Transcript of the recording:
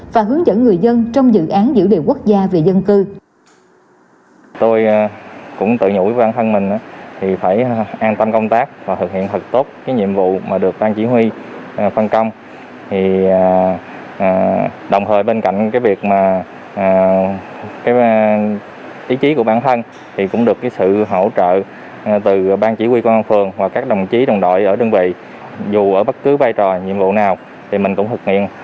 và hướng dẫn người dân trong dự án giữ điều quốc gia về dân cư